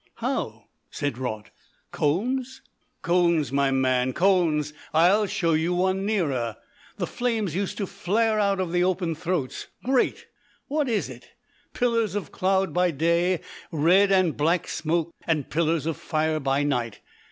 "How?" said Raut. "Cones?" "Cones, my man, cones. I'll show you one nearer. The flames used to flare out of the open throats, great what is it? pillars of cloud by day, red and black smoke, and pillars of fire by night.